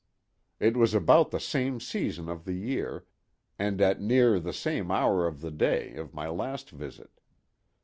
It was about the same season of the year, and at near the same hour of the day, of my last visit.